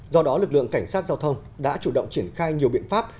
do đó lực lượng cảnh sát giao thông đã chủ động triển khai nhiều biện pháp